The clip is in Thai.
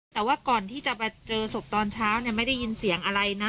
แต่ว่าก่อนที่จะมาเจอศพตอนเช้าเนี่ยไม่ได้ยินเสียงอะไรนะ